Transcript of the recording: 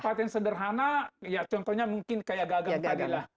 patent sederhana ya contohnya mungkin kayak gagang tadi lah